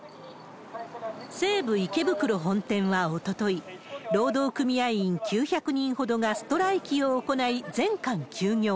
西武・池袋本店はおととい、労働組合員９００人ほどがストライキを行い、全館休業。